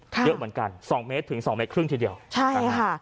เยอะเหมือนกันสองเมตรถึงสองเมตรครึ่งทีเดียวใช่ค่ะ